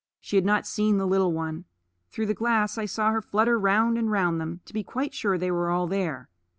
She had not seen the little one. Through the glass I saw her flutter round and round them, to be quite sure they were all there.